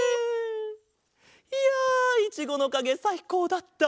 いやいちごのかげさいこうだった！